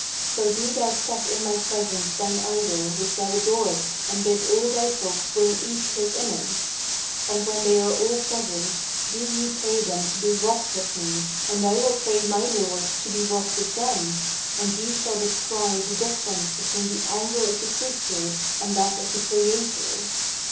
So do thou set in my presence thine idol which thou adorest and bid all thy folk bring each his image: and when they are all present, do ye pray them to be wroth with me and I will pray my Lord to be wroth with them, and ye shall descry the difference between the anger of the creature and that of the Creator.